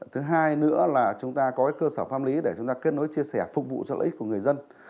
thứ hai nữa là chúng ta có cơ sở pháp lý để chúng ta kết nối chia sẻ phục vụ cho lợi ích của người dân